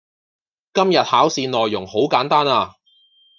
今日考試內容好簡單呀